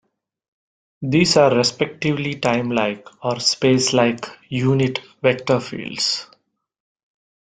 These are respectively timelike or spacelike "unit" vector fields.